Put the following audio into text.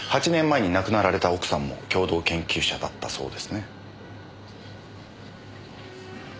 ８年前に亡くなられた奥さんも共同研究者だったそうですね。